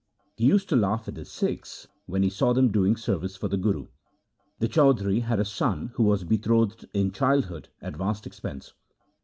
He used to laugh at the Sikhs when he saw them doing service for the Guru. The Chaudhri had a son who was betrothed in childhood at vast expense.